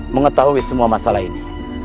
mengetahui semua masalah ini